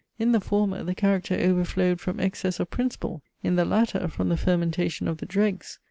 In the former, the character overflowed from excess of principle; in the latter from the fermentation of the dregs!